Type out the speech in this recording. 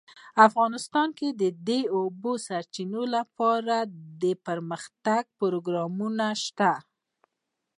افغانستان کې د د اوبو سرچینې لپاره دپرمختیا پروګرامونه شته.